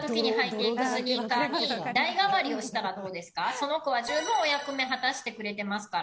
その子は十分、お役目果たしてくれてますから。